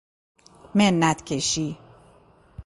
منت کشی